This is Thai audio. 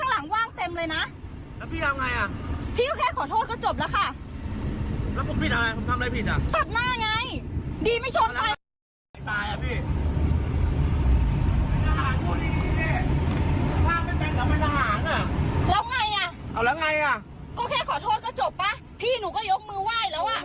ร้านก็จบป่ะพี่หนูก็ยกมือวายแล้วอะ